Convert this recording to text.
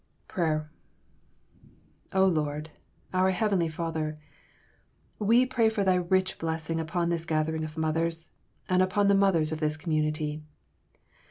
PRAYER Oh Lord, our Heavenly Father, we pray for Thy rich blessing upon this gathering of mothers, and upon the mothers of this community.